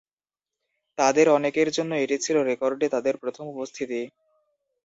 তাদের অনেকের জন্য এটি ছিল রেকর্ডে তাদের প্রথম উপস্থিতি।